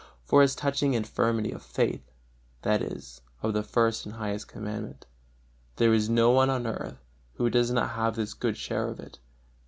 For as touching infirmity of faith (that is, of the First and highest Commandment), there is no one on earth who does not have his good share of it.